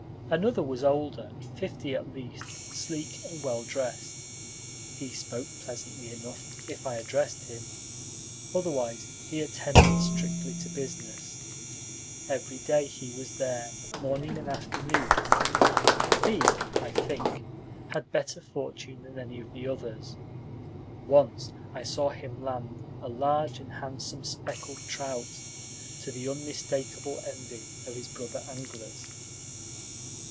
Another was older, fifty at least, sleek and well dressed. He spoke pleasantly enough, if I addressed him; otherwise he attended strictly to business. Every day he was there, morning and afternoon. He, I think, had better fortune than any of the others. Once I saw him land a large and handsome "speckled trout," to the unmistakable envy of his brother anglers.